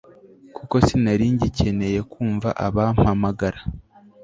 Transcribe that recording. kuko sinari ngikeneye kumva abampamagara